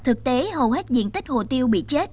thực tế hầu hết diện tích hồ tiêu bị chết